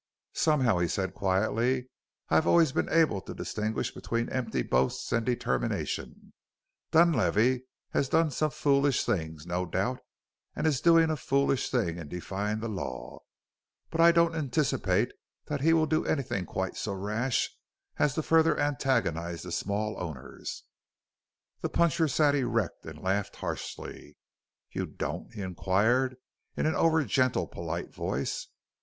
"Somehow," he said quietly, "I have always been able to distinguish between empty boast and determination. Dunlavey has done some foolish things, no doubt, and is doing a foolish thing in defying the law, but I don't anticipate that he will do anything quite so rash as to further antagonize the small owners." The puncher sat erect and laughed harshly. "You don't?" he inquired in an over gentle, polite voice.